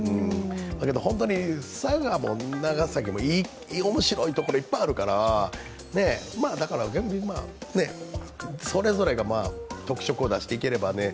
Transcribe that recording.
だけど、佐賀も長崎も、面白い所、いっぱいあるからだから、それぞれが特色を出していければね。